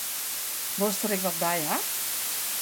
Wolsto der ek wat by hawwe?